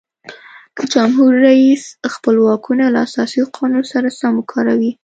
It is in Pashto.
که جمهور رئیس خپل واکونه له اساسي قانون سره سم وکاروي.